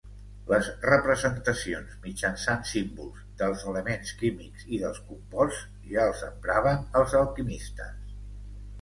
Les representacions mitjançant símbols dels elements químics i dels composts ja els empraven els alquimistes.